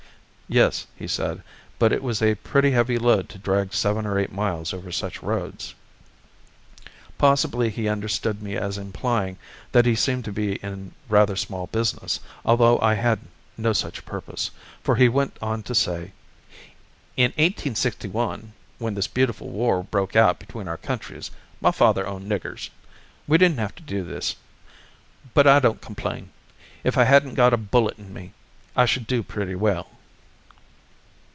Yes, he said; but it was a pretty heavy load to drag seven or eight miles over such roads. Possibly he understood me as implying that he seemed to be in rather small business, although I had no such purpose, for he went on to say: "In 1861, when this beautiful war broke out between our countries, my father owned niggers. We didn't have to do this. But I don't complain. If I hadn't got a bullet in me, I should do pretty well."